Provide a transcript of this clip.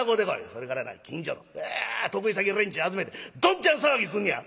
それからな近所の得意先連中集めてどんちゃん騒ぎすんねや！」。